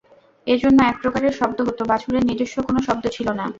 এজন্য এক প্রকারের শব্দ হত, বাছুরের নিজস্ব কোন শব্দ ছিল না।